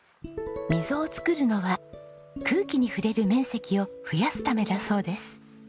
溝を作るのは空気に触れる面積を増やすためだそうです。